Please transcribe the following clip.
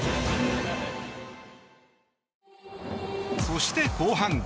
そして後半。